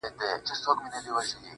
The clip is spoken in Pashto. چې د انساني ښکلا کمال په ځوانۍ کې وي